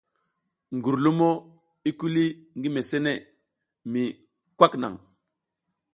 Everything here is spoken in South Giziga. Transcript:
Gurlumo i kuli ngi mesene mi kwak naŋ.